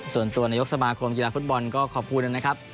ส่วนตัวนายกสมาคมกีฬาฟุตบอลก็ขอบคุณนะครับ